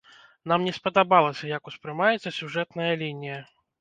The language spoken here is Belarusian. Нам не спадабалася, як успрымаецца сюжэтная лінія.